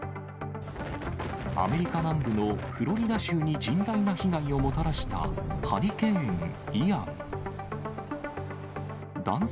アメリカ南部のフロリダ州に甚大な被害をもたらした、ハリケーン・イアン。